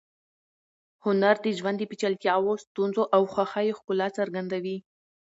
هنر د ژوند د پیچلتیاوو، ستونزو او خوښیو ښکلا څرګندوي.